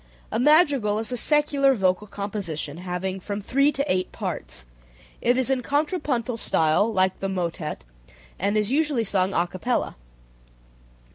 A madrigal is a secular vocal composition having from three to eight parts. It is in contrapuntal style, like the motet, and is usually sung a capella. 176.